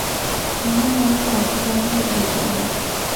তুমিই আমায় লাকি কয়েনটা দিয়েছিলে।